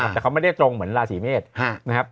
แต่เขาไม่ได้ตรงเหมือนราศีเมษนะครับ